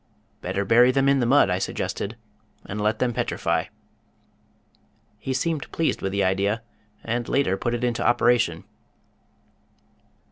"Better bury them in the mud," I suggested, "and let them petrify." He seemed pleased with the idea, and later put it into operation.